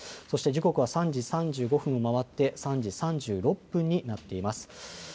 そして時刻は３時３５分をまわって３時３６分になっています。